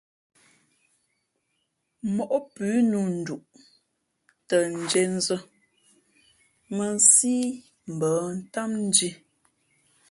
Móʼ pʉ̌ nnū nduʼ tα ndīē nzᾱ mᾱnsí mbα̌ ntám ndhī.